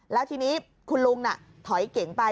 แล้วทีนี้คุณลุงน่ะถอยเก๋งไป